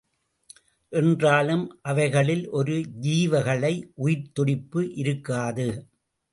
என்றாலும் அவைகளில் ஒரு ஜீவகளை, உயிர்த்துடிப்பு இருக்காது.